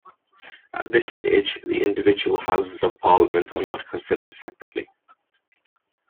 At this stage, the individual houses of parliament are not considered separately.